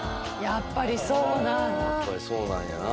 やっぱりそうなんやな。